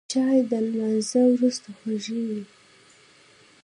چای د لمانځه وروسته خوږ وي